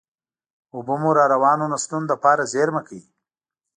اوبه مو راروانو نسلونو دپاره زېرمه کړئ.